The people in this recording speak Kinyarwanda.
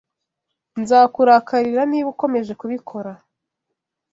Nzakurakarira niba ukomeje kubikora.